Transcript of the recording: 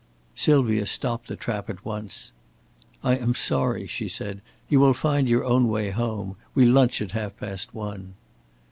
Sylvia stopped the trap at once. "I am sorry," she said. "You will find your own way home. We lunch at half past one."